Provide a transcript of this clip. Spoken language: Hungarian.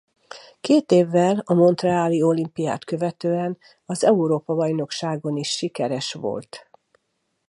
Két évvel a montreali olimpiát követően az Európa-bajnokságon is sikeres volt.